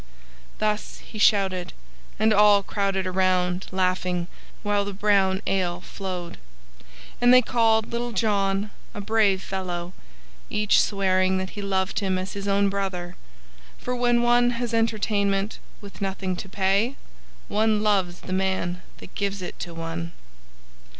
Thus he shouted, and all crowded around, laughing, while the brown ale flowed; and they called Little John a brave fellow, each swearing that he loved him as his own brother; for when one has entertainment with nothing to pay, one loves the man that gives it to one.